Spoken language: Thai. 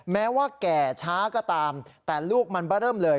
แม้ว่าแก่ช้าก็ตามแต่ลูกมันมาเริ่มเลย